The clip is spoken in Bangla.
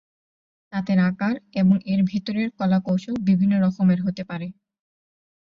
তাঁতের আকার এবং এর ভেতরের কলা কৌশল বিভিন্ন রকমের হতে পারে।